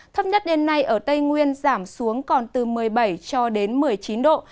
thấp nhất đêm nay ở tây nguyên giảm xuống còn từ một mươi bảy cho đến một mươi chín độ